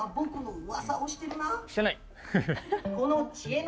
してない。